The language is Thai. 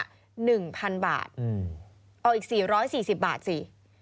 ๑๐๐๐บาทเอาอีก๔๔๐บาทสิ